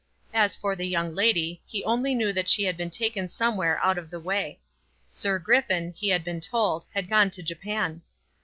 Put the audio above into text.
As for the young lady, he only knew that she had been taken somewhere out of the way. Sir Griffin, he had been told, had gone to Japan.